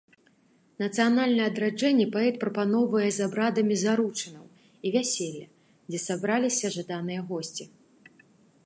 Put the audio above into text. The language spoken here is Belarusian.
Нацыянальнае адраджэнне паэт параўноўвае з абрадамі заручынаў і вяселля, дзе сабраліся жаданыя госці.